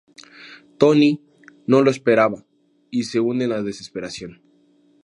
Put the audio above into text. Tony no lo esperaba y se hunde en la desesperación.